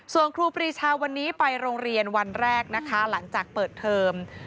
ส่วนครูปรีชาวันนี้ไปโรงเรียนวันแรกนะคะหลังจากเปิดเทอม